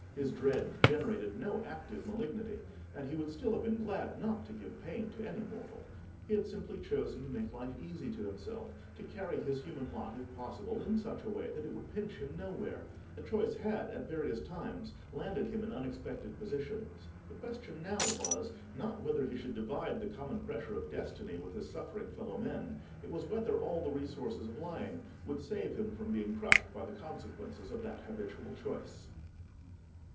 His dread generated no active malignity, and he would still have been glad not to give pain to any mortal. He had simply chosen to make life easy to himself—to carry his human lot, if possible, in such a way that it should pinch him nowhere; and the choice had, at various times, landed him in unexpected positions. The question now was, not whether he should divide the common pressure of destiny with his suffering fellow men; it was whether all the resources of lying would save him from being crushed by the consequences of that habitual choice.